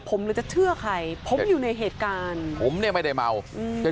ผมหรือจะเชื่อใครผมอยู่ในเหตุการณ์ผมเนี่ยไม่ได้เมาอืมใช่ไหม